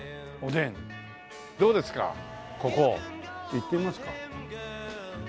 行ってみますか。